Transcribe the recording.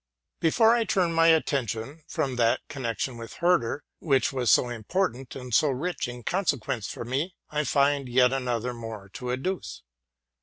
Before I turn my attention from my connection with Her der, which was so important and so rich in consequences for me, I find yet something more to adduce.